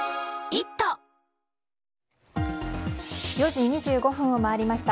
４時２５分を回りました。